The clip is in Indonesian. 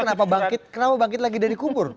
kebijakan terus kenapa bangkit lagi dari kubur